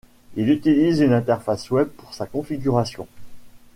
Il utilise une interface web pour sa configuration.